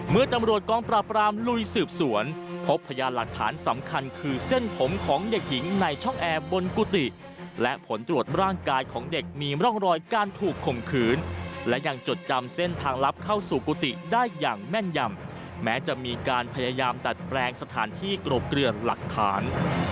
เมื่อตำรวจกองปราบรามลุยสืบสวนพบพยานหลักฐานสำคัญคือเส้นผมของเด็กหญิงในช่องแอร์บนกุฏิและผลตรวจร่างกายของเด็กมีร่องรอยการถูกข่มขืนและยังจดจำเส้นทางลับเข้าสู่กุฏิได้อย่างแม่นยำแม้จะมีการพยายามดัดแปลงสถานที่กรบเกลือนหลักฐาน